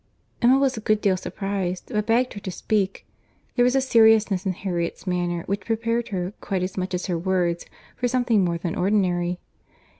Emma was a good deal surprized; but begged her to speak. There was a seriousness in Harriet's manner which prepared her, quite as much as her words, for something more than ordinary.